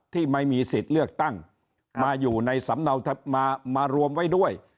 ที่ไม่มีสิทธิ์เลือกตั้งมาอยู่ในสำเนามารวมไว้ด้วย